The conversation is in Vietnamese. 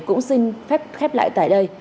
cũng xin phép khép lại tại đây